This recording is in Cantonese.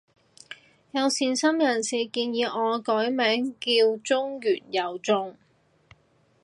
有善心人士提議我改名叫中完又中